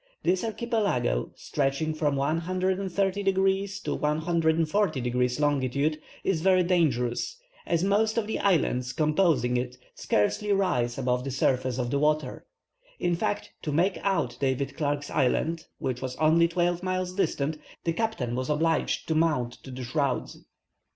This Archipelago, stretching from 130 to 140 degrees longitude, is very dangerous, as most of the islands composing it scarcely rise above the surface of the water; in fact, to make out David Clark's Island, which was only twelve miles distant, the captain was obliged to mount to the shrouds.